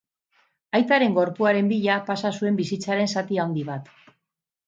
Aitaren gorpuaren bila pasa zuen bizitzaren zati handi bat.